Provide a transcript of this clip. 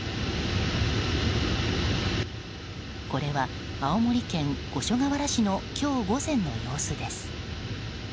これは青森県五所川原市の今日午前の様子です。